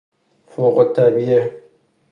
فوق الطبیعه